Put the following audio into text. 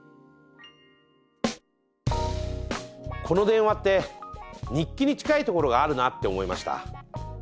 この電話って日記に近いところがあるなって思いました。